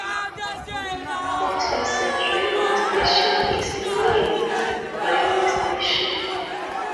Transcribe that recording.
The closest railway station is Leeds railway station.